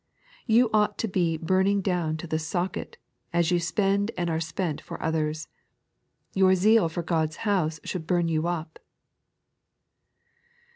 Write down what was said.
You ought to be burning down to the socket, as you spend and are spent for others. Your zeal for God's house should bum you up.